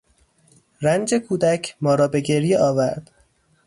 رنج کودک ما را به گریه آورد.